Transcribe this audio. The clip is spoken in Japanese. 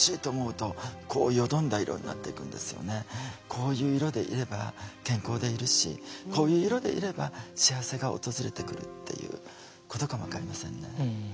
こういう色でいれば健康でいるしこういう色でいれば幸せが訪れてくるっていうことかも分かりませんね。